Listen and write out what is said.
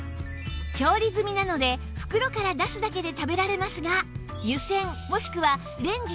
調理済なので袋から出すだけで食べられますが